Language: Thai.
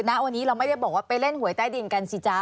ณวันนี้เราไม่ได้บอกว่าไปเล่นหวยใต้ดินกันสิจ๊ะ